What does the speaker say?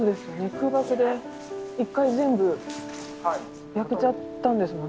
空爆で一回全部焼けちゃったんですもんね。